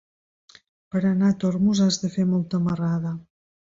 Per anar a Tormos has de fer molta marrada.